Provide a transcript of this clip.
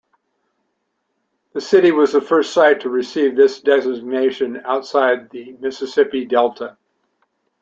The city was the first site to receive this designation outside the Mississippi Delta.